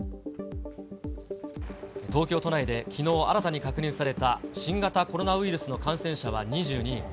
東京都内で、きのう新たに確認された新型コロナウイルスの感染者は２２人。